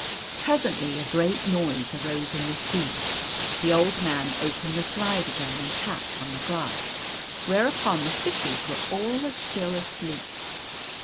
Presently a great noise arose in the sea. The Old Man opened the slide again, and tapped on the glass, whereupon the fishes were all as still as sleep.